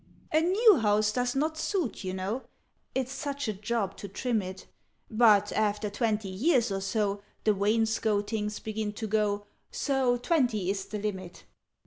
"A new house does not suit, you know It's such a job to trim it: But, after twenty years or so, The wainscotings begin to go, So twenty is the limit."